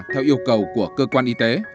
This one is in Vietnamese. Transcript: theo yêu cầu của cơ quan y tế